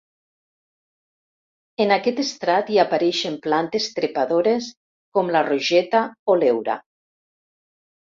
En aquest estrat hi apareixen plantes trepadores com la rogeta o l'heura.